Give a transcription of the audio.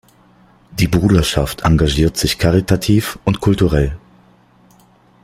Die Bruderschaft engagiert sich karitativ und kulturell.